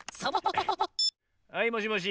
はいもしもし。